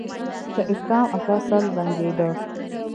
د اکرم اکا سر زانګېده.